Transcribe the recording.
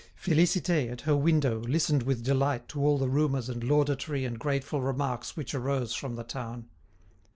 Félicité, at her window, listened with delight to all the rumours and laudatory and grateful remarks which arose from the town.